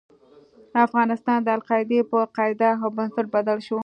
افغانستان د القاعدې په قاعده او بنسټ بدل شو.